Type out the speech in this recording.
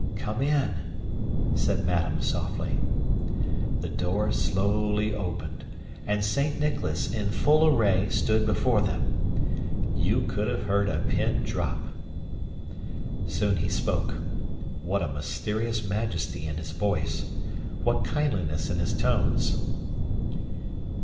"Come in," said madame softly. The door slowly opened, and Saint Nicholas, in full array, stood before them. You could have heard a pin drop. Soon he spoke. What a mysterious majesty in his voice! What kindliness in his tones!